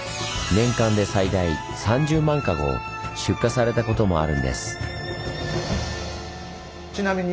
年間で最大３０万籠出荷されたこともあるんです。